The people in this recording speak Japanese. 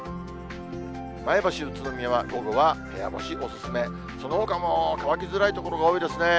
前橋、宇都宮は午後は部屋干しお勧め、そのほかも乾きづらい所が多いですね。